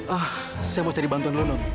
ah saya mau cari bantuan lo non